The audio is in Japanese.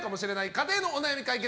家庭のお悩み解決！